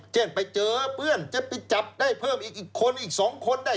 เช่นไปเจอเพื่อนจะไปจับได้เพิ่มอีกคนอีก๒คนได้